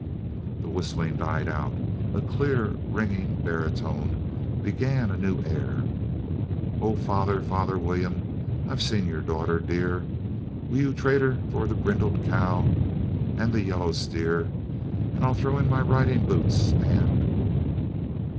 The whistling died out, a clear ringing baritone began a new air: "Oh, father, father William, I've seen your daughter dear. Will you trade her for the brindled cow and the yellow steer? And I'll throw in my riding boots and...."